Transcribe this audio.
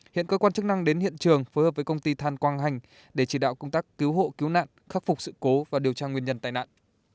hiện cơ quan chức năng đến hiện trường phối hợp với công ty than quang hành để chỉ đạo công tác cứu hộ cứu nạn khắc phục sự cố và điều tra nguyên nhân tai nạn